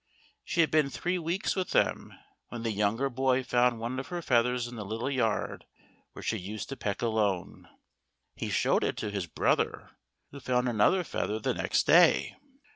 She had been three weeks with them when the younger boy found one of her feathers in the little yard where she used to peck alone. He showed it to his brother, who found another feather the next day.